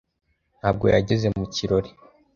Ntabwo yageze mu kirori